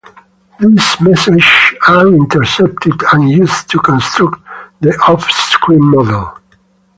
These messages are intercepted and used to construct the off-screen model.